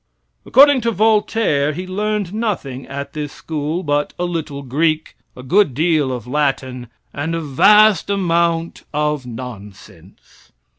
According to Voltaire he learned nothing at this school but a little Greek, a good deal of Latin, and a vast amount of nonsense.